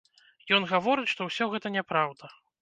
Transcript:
Ён гаворыць, што ўсё гэта няпраўда.